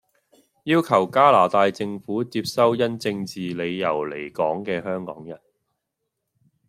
要求加拿大政府接收因政治理由離港既香港人，